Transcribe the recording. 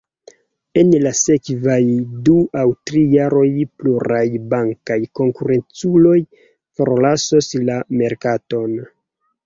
En la sekvaj du aŭ tri jaroj pluraj bankaj konkurenculoj forlasos la merkaton.